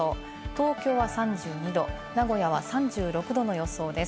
東京は３２度、名古屋は３６度の予想です。